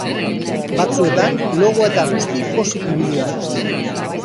Batzuetan logoa eta guzti pozik ibili gara.